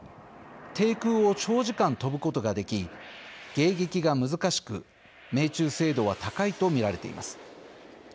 低空を長時間飛ぶことができ迎撃が難しく命中精度は高いと見られています。